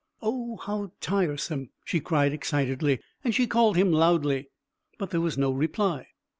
"Oh, how tiresome!" she cried excitedly; and she called him loudly, but there was no reply.